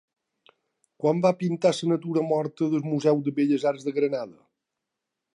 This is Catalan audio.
Quan va pintar la natura morta del Museu de Belles Arts de Granada?